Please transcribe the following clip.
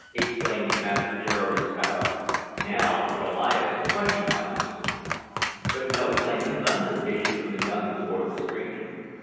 exclaimed Master Jeremy Sparrow. "Now for Goliath's twenty pounders!" But no flame and thunder issued from the guns aboard the stranger.